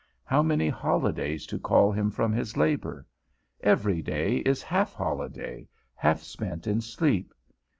How many holidays to call him from his labour! Every day is half holiday, half spent in sleep.